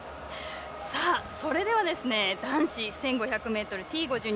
それでは、男子１５００ｍＴ５２